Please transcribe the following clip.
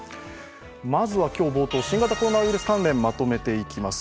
まずは冒頭、新型コロナウイルス関連まとめていきます。